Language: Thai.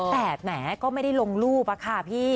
แต่แหมก็ไม่ได้ลงรูปอะค่ะพี่